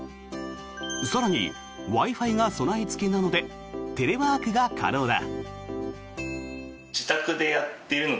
更にＷｉ−Ｆｉが備えつけなのでテレワークが可能だ。